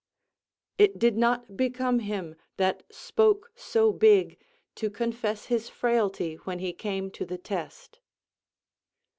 _ "It did not become him, that spoke so big, to confess his frailty when he came to the test."